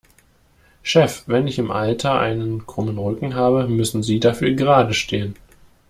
Chef, wenn ich im Alter einen krummen Rücken habe, müssen Sie dafür geradestehen.